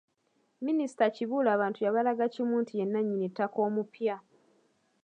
Minisita Kibuule abantu yabalaga kimu nti ye nnannyini ttaka omupya.